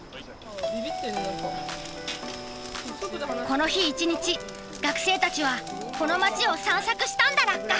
この日一日学生たちはこの街を散策したんだラッカ。